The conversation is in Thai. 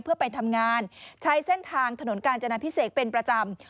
เพื่อไปทำงานใช้เส้นทางถนนกาญจนาพิเศษเป็นประจำ